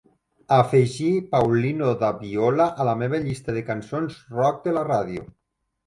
Afegir paulinho da viola a la meva llista de cançons Rock de la ràdio.